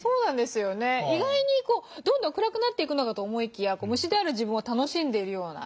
意外にどんどん暗くなっていくのかと思いきや虫である自分を楽しんでいるような。